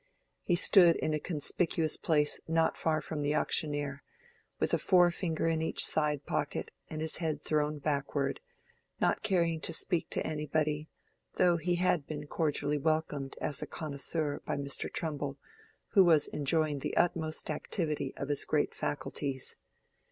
He stood in a conspicuous place not far from the auctioneer, with a fore finger in each side pocket and his head thrown backward, not caring to speak to anybody, though he had been cordially welcomed as a connoiss_ure_ by Mr. Trumbull, who was enjoying the utmost activity of his great faculties.